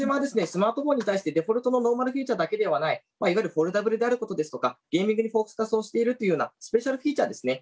スマートフォンに対してデフォルトのノーマルフィーチャーだけではないいわゆるフォルダブルであることですとかゲーミングにフォーカスをしているというようなスペシャルフィーチャーでですね